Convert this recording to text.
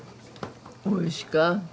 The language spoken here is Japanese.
おいしか。